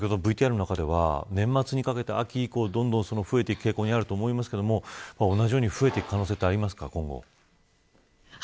ＶＴＲの方では年末にかけて秋以降、どんどん増えていく傾向にあると思いますが同じように増えていく可能性はありますか、今後。